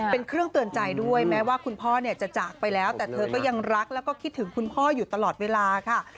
เป็นเครื่องเตือนใจด้วยแม้ว่าคุณพ่อเนี่ยจะจากไปแล้วแต่เธอก็ยังรักแล้วก็คิดถึงคุณพ่ออยู่ตลอดเวลาค่ะ